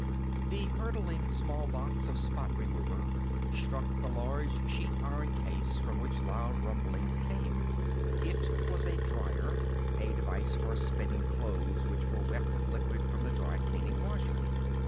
The hurtling small box of spot remover struck the large sheet iron case from which loud rumblings came. It was a dryer; a device for spinning clothes which were wet with liquid from the dry cleaning washer.